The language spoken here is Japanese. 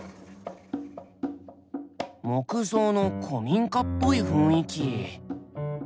木造の古民家っぽい雰囲気。